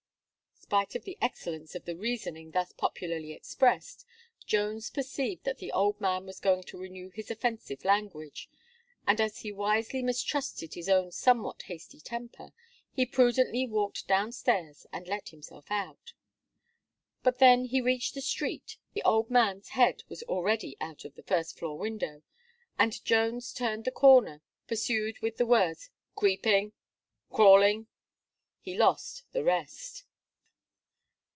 Spite of the excellence of the reasoning thus popularly expressed, Jones perceived that the old man was going to renew his offensive language, and as he wisely mistrusted his own somewhat hasty temper, he prudently walked downstairs, and let himself out. But then he reached the street, the old man's head was already out of the first floor window, and Jones turned the corner pursued with the words "creeping," "crawling." He lost the rest.